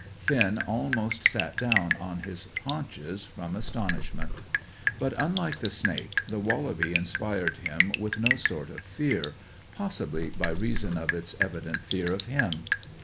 Finn almost sat down on his haunches from astonishment. But, unlike the snake, the wallaby inspired him with no sort of fear, possibly by reason of its evident fear of him.